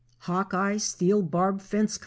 Hawkeye Steel Barb Fence Co.